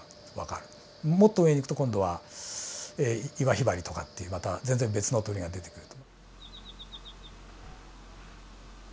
もっと上に行くと今度はイワヒバリとかっていうまた全然別の鳥が出てくると。